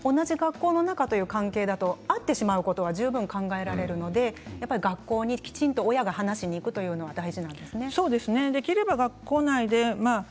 同じ学校の中という関係だと会ってしまうことは十分、考えられるので学校にきちんと親が話にいくのは大事ですね。